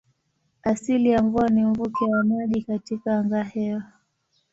Asili ya mvua ni mvuke wa maji katika angahewa.